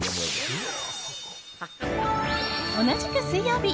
同じく水曜日。